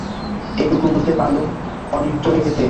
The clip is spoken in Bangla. এইটুকু বুঝতে পারলুম, অনিল চলে গেছে।